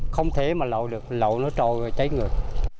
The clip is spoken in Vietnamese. không thể mà lậu được lậu nó trồi rồi cháy ngược